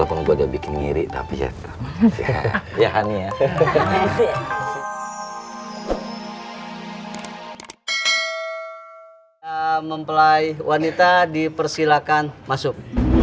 mempelai wanita dipersilakan masuk